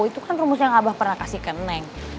itu kan rumus yang abah pernah kasih ke neng